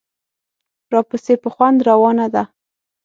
راپسې په خوند روانه ده.